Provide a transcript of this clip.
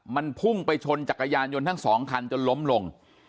มันพุ่งไปชนจักรยานยนต์ทั้งสองคันจนล้มลง